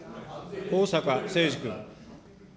逢坂誠二君。